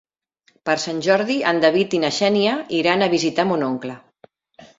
Per Sant Jordi en David i na Xènia iran a visitar mon oncle.